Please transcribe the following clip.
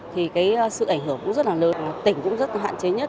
thì cái sự ảnh hưởng cũng rất là lớn tỉnh cũng rất là hạn chế nhất